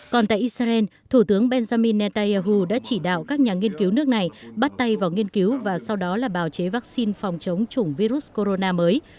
còn tại israel thủ tướng benjamin netanyahu đã chỉ đạo các nhà nghiên cứu nước này bắt tay vào nghiên cứu và sau đó là bào chế vaccine phòng chống chủng virus corona mới